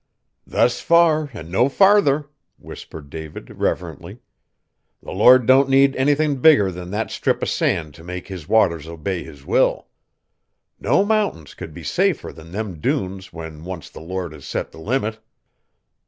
"Thus far and no farther," whispered David reverently; "the Lord don't need anythin' bigger than that strip o' sand to make His waters obey His will. No mountains could be safer than them dunes when once the Lord has set the limit.